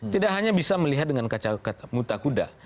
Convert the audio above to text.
tidak hanya bisa melihat dengan kaca muta kuda